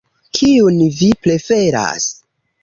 Kiun vi preferas?